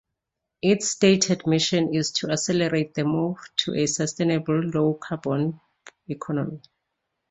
Its stated mission is to accelerate the move to a sustainable, low carbon economy.